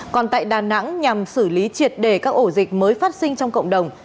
còn tại đà nẵng nhằm xử lý triệt đề các ổ dịch mới phát sinh trong cộng đồng